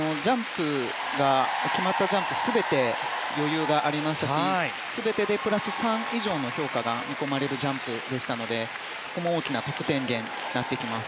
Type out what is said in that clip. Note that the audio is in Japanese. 決まったジャンプ全て余裕がありましたし全てでプラス３以上の評価が見込まれるジャンプでしたのでここも大きな得点源になってきます。